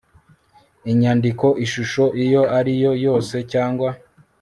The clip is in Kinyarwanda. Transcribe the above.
inyandiko ishusho iyo ari yo yose cyangwa